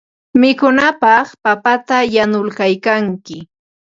Mikunankupaq papata yanuykalkanki.